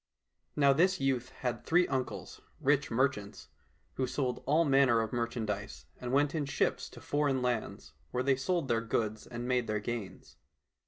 Now this youth had three uncles, rich merchants, who sold all manner of merchandise, and went in ships to foreign lands, where they sold their goods and made their gains.